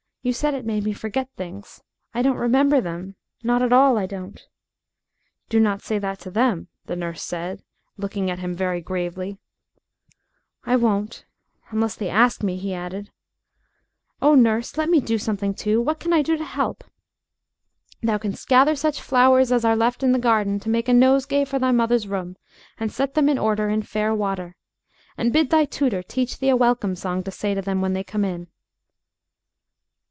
"You said it made me forget things. I don't remember them. Not at all, I don't." "Do not say that to them," the nurse said, looking at him very gravely. "I won't. Unless they ask me," he added. "Oh, nurse, let me do something too. What can I do to help?" "Thou canst gather such flowers as are left in the garden to make a nosegay for thy mother's room; and set them in order in fair water. And bid thy tutor teach thee a welcome song to say to them when they come in."